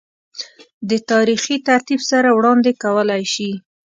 دَ تاريخي ترتيب سره وړاند ې کولے شي